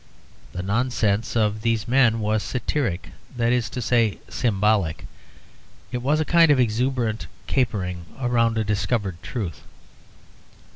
The nonsense of these men was satiric that is to say, symbolic; it was a kind of exuberant capering round a discovered truth.